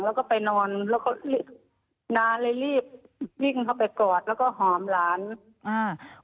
แล้วก็ไปนอนแล้วก็นานเลยรีบวิ่งเข้าไปกอดแล้วก็หอมหลานอ่า